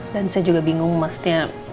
dan saya juga bingung maksudnya